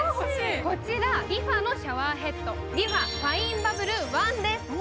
こちら、リファのシャワーヘッドリファファインバブルワンです。